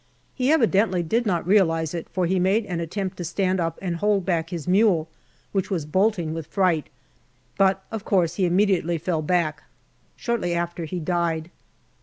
He evidently did not realize it, for he made an attempt to stand up and hold back his mule, which was bolting with fright, but, of course, he immediately fell back. Shortly after, he died.